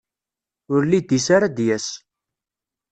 Ur lid-is ara ad d-yas.